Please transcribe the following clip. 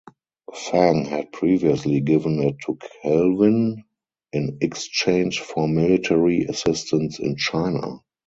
Fang had previously given it to Kelvin in exchange for military assistance in China.